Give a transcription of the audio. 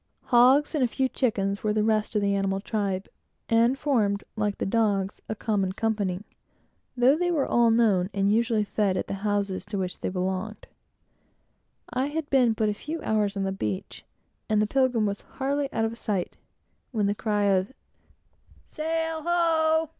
Hogs, and a few chickens, were the rest of the animal tribe, and formed, like the dogs, a common company, though they were all known and marked, and usually fed at the houses to which they belonged. I had been but a few hours on the beach, and the Pilgrim was hardly out of sight, when the cry of "Sail ho!"